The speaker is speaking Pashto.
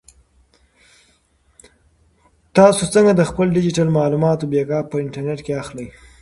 تاسو څنګه د خپلو ډیجیټل معلوماتو بیک اپ په انټرنیټ کې اخلئ؟